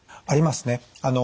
ありますね。